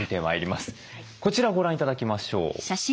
こちらご覧頂きましょう。